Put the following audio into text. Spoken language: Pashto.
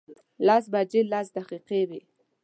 لس بجې لس دقیقې وې.